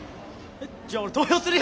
じゃあ俺投票するよ！